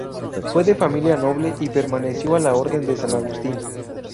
Fue de familia noble y perteneció a la Orden de San Agustín.